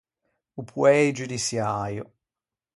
O poei giudiçiäio.